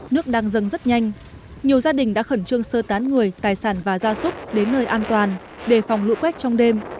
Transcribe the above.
nước đang dâng rất nhanh nhiều gia đình đã khẩn trương sơ tán người tài sản và gia súc đến nơi an toàn đề phòng lũ quét trong đêm